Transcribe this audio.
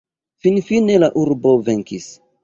Finfine la urbo venkis.